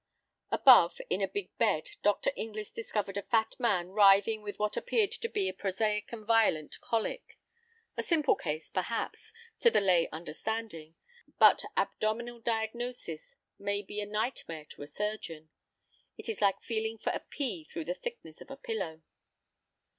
Above, in a big bed, Dr. Inglis discovered a fat man writhing with what appeared to be a prosaic and violent colic. A simple case, perhaps, to the lay understanding, but abdominal diagnosis may be a nightmare to a surgeon. It is like feeling for a pea through the thickness of a pillow.